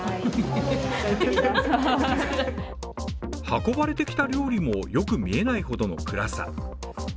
運ばれてきた料理も、よく見えないほどの暗さ。